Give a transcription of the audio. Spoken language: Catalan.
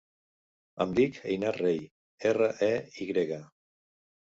Em dic Einar Rey: erra, e, i grega.